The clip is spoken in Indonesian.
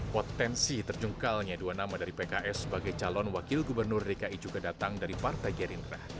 potensi terjungkalnya dua nama dari pks sebagai calon wagup dki juga datang dari paripurna